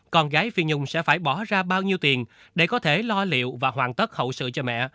con gái phi nhung sẽ phải bỏ ra bao nhiêu tiền để có thể lo liệu và hoàn tất hậu sự cho mẹ